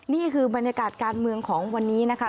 นี่คือบรรยากาศการเมืองของวันนี้นะคะ